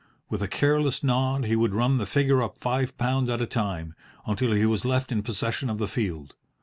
With a careless nod he would run the figure up five pounds at a time, until he was left in possession of the field.